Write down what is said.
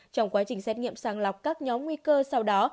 trong quá trình xét nghiệm sàng lọc các nhóm nguy cơ sau đó